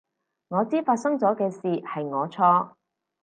我知發生咗嘅事係我錯